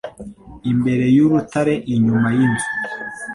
imbere y'urutare inyuma yinzu.